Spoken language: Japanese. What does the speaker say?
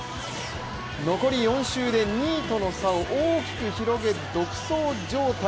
残り４周で２位との差を大きく広げ独走状態。